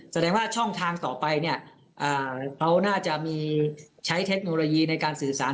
แสดงว่าช่องทางต่อไปเนี่ยเขาน่าจะมีใช้เทคโนโลยีในการสื่อสาร